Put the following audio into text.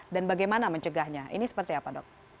dan bagaimana mencegahnya ini seperti apa dok